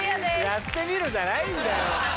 「やってみる」じゃないんだよ。